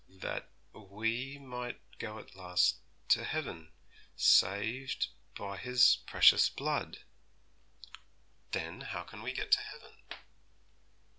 'That we might go at last to heaven, saved by His precious blood.' 'Then how can we get to heaven?'